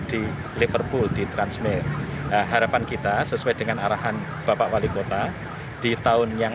di liverpool di transmil harapan kita sesuai dengan arahan bapak wali kota di tahun yang